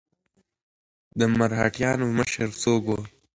د مرهټيانو مشر څوک و؟